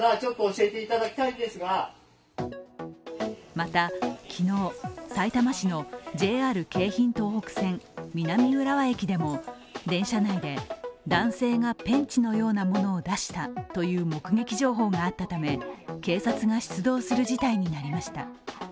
また昨日、さいたま市のＪＲ京浜東北線・南浦和駅でも電車内で男性がペンチのようなものを出したという目撃情報があったため警察が出動する事態になりました。